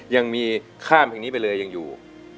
ยังมีข้ามเพลงนี้ไปเลยยังอยู่